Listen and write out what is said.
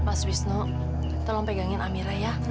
mas wisnu tolong pegangin amira ya